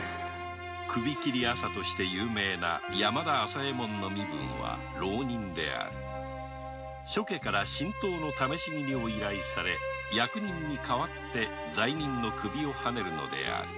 「首切り朝」として有名な山田朝右衛門は浪人である諸家から新刀の試し切りを依頼され役人に代わって罪人の首をハネるのである。